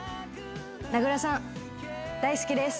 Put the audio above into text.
名倉さん、大好きです。